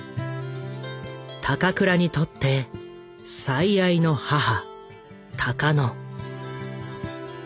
高倉にとって最愛の母タカノ。